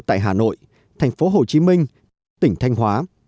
tại hà nội tp hồ chí minh tỉnh thanh hóa